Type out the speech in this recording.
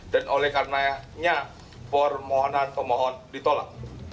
oleh karenanya permohonan pemohon ditolak